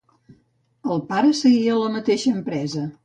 El pare seguia a la mateixa empresa.